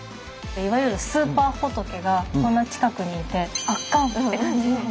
いわゆるスーパー仏がこんな近くにいて圧巻って感じ。